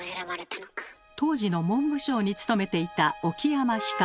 当時の文部省に勤めていた沖山光。